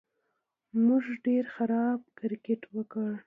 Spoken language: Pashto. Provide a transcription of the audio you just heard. موږ ډېر خراب کرېکټ وکړ